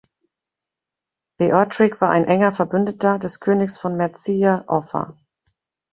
Beorhtric war ein enger Verbündeter des Königs von Mercia, Offa.